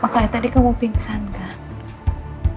makanya tadi kamu pingsan kan